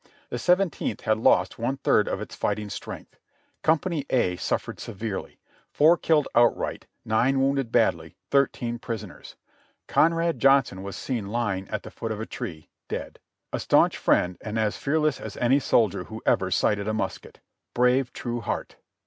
The Seventeenth had lost one third of its fighting strength. Company A suffered severely; four killed outright, nine wounded badly, thirteen prisoners. Conrad Johnson was seen lying at the foot of a tree, dead. A staunch friend, and as fearless as any soldier who ever sighted musket! Brave, true heart!